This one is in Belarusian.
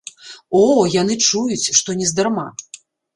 О, яны чуюць, што нездарма.